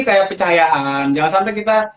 kayak pencahayaan jangan sampai kita